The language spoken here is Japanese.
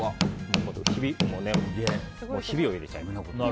ひびを入れちゃいます。